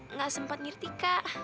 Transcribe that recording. nggak sempat ngerti kak